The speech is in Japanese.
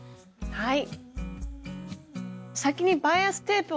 はい。